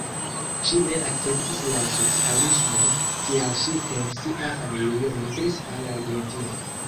Ŝi ne akceptis la socialismon, tial ŝi kun sia familio migris al Argentino.